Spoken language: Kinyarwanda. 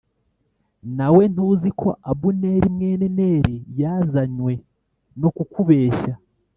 Nawe ntuzi ko Abuneri mwene Neri yazanywe no kukubeshya